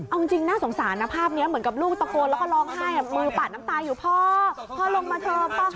เอาจริงน่าสงสารนะภาพเนี่ยเหมือนกับลูกตะโกนแล้วก็ร้องไห้